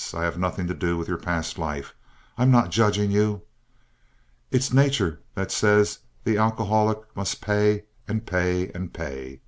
I have nothing to do with your past life. I'm not judging you. It's nature that says the alcoholic must pay and pay and pay.